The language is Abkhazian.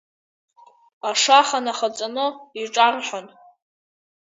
Ашаха нахаҵаны иҿарҳәон.